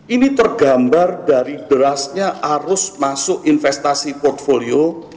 ini tergambar dari derasnya arus masuk investasi portfolio